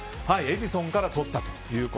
エジソンからとったと。